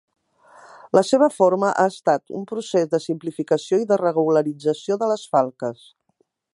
La seva forma ha estat un procés de simplificació i de regularització de les falques.